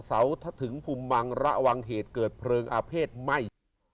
เสาถ้าถึงภูมิมังระวังเหตุเกิดเพลิงอาเภษไหม้